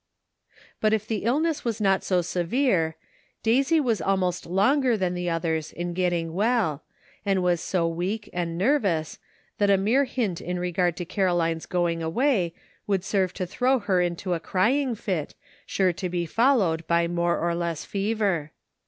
Bvit if the illness wa^ not po severe^ Paisv 164 'SO YOU WANT TO GO HOME?'* was almost longer than the others in getting well, and was so weak and nervous that a mere hint in regard to Caroline's going away would serve to throw her into a crying fit, sure to be followed by more or less fever.